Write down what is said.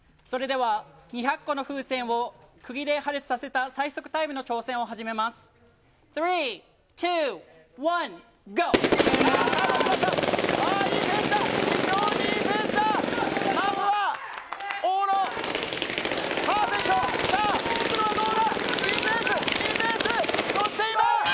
それでは２００個の風船をくぎで破裂させた最速タイムの挑戦を始めます。